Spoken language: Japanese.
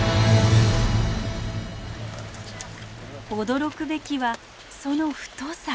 驚くべきはその太さ。